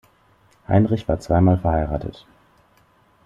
Heinrich war zweimal verheiratet.